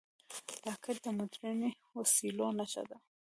راکټ د مدرنو وسلو نښه ده